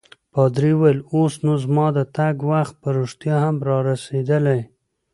پادري وویل: اوس نو زما د تګ وخت په رښتیا هم رارسیدلی.